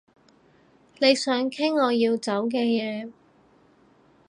你想傾我要走嘅嘢